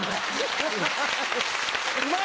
うまい！